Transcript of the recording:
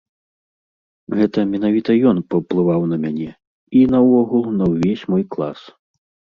Гэта менавіта ён паўплываў на мяне і, наогул, на ўвесь мой клас.